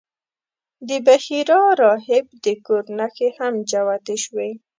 د بحیرا راهب د کور نښې هم جوتې شوې.